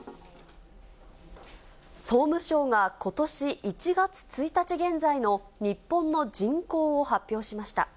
総務省がことし１月１日現在の日本の人口を発表しました。